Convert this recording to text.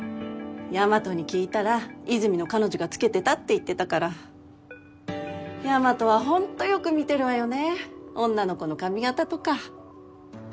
大和に聞いたら和泉の彼女がつけてたって言ってたから大和はホントよく見てるわよね